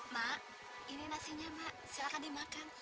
mak ini nasinya mak silakan dimakan